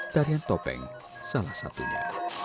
tarian topeng salah satunya